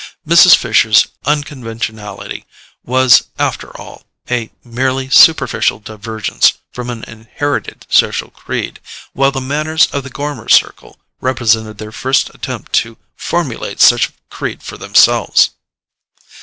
Mrs. Fisher's unconventionality was, after all, a merely superficial divergence from an inherited social creed, while the manners of the Gormer circle represented their first attempt to formulate such a creed for themselves.